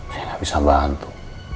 saya gak bisa bantu